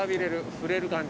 触れる感じだ。